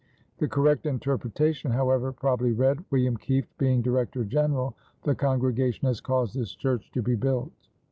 The correct interpretation, however, probably read: "William Kieft being Director General, the congregation has caused this church to be built."